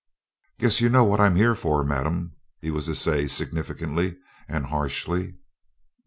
"Guess you know what I'm here for, Madam," he was to say significantly and harshly.